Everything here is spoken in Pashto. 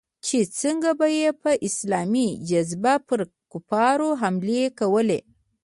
چې څنگه به يې په اسلامي جذبه پر کفارو حملې کولې.